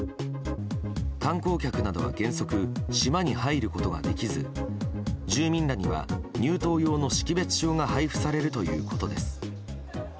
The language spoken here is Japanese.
観光客などは原則島に入ることはできず住民らには入島用の識別証が配布されるということです。